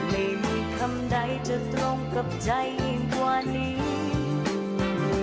ไม่มีคำใดจะตรงกับใจยิ่งกว่านี้